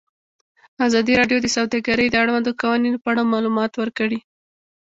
ازادي راډیو د سوداګري د اړونده قوانینو په اړه معلومات ورکړي.